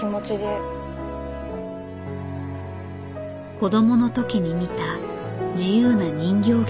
子どもの時に見た自由な人形劇。